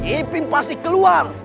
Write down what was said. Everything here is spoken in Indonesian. ipim pasti keluar